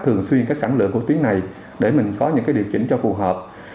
thường xuyên sẵn lượng của tuyến này để mình có những điều chỉnh cho phù hợp